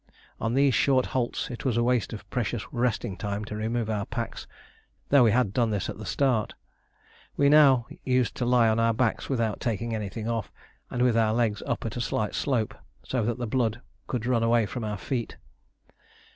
On these short halts it was a waste of precious resting time to remove our packs, though we had done this at the start. We now used to lie on our backs without taking anything off, and with our legs up a slight slope, so that the blood could run away from our feet.